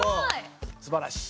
すばらしい。